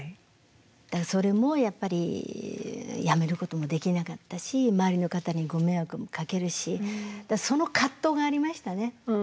だからそれもやっぱりやめることもできなかったし周りの方にご迷惑もかけるしその葛藤がありましたね。